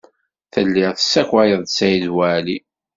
Telliḍ tesskayeḍ-d Saɛid Waɛli.